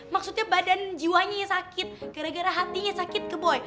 maksudnya badan jiwanya sakit gara gara hatinya sakit keboy